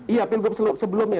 iya pilgub sebelumnya